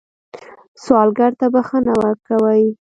سوالګر ته بښنه ورکوئ